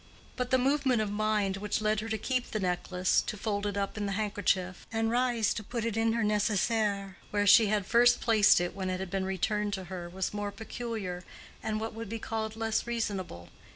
But the movement of mind which led her to keep the necklace, to fold it up in the handkerchief, and rise to put it in her nécessaire, where she had first placed it when it had been returned to her, was more peculiar, and what would be called less reasonable.